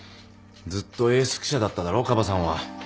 ずっとエース記者だっただろカバさんは。